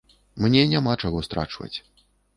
Мне няма чаго страчваць.